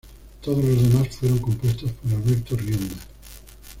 Todos los temas fueron compuestos por Alberto Rionda.